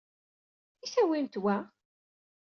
I tawyemt wa?